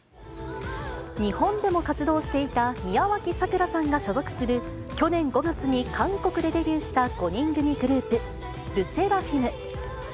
日本でも活動していた宮脇咲良さんが所属する去年５月に韓国でデビューした５人組グループ、ＬＥＳＳＥＲＡＦＩＭ。